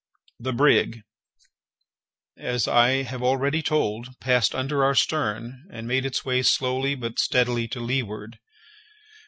The brig, as I have already told, passed under our stern, and made its way slowly but steadily to leeward.